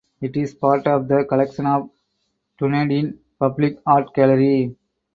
It is part of the collection of Dunedin Public Art Gallery.